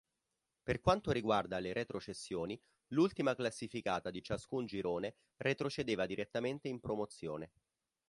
Per quanto riguarda le retrocessioni, l'ultima classificata di ciascun girone retrocedeva direttamente in Promozione.